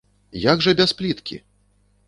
Як жа без пліткі!